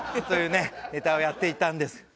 というねネタをやっていたんです。